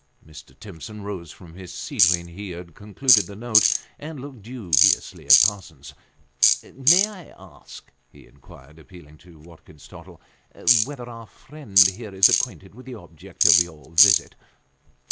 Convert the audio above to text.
Mr. Timson rose from his seat when he had concluded the note, and looked dubiously at Parsons "May I ask," he inquired, appealing to Watkins Tottle, " whether our friend here is acquainted with the object of your visit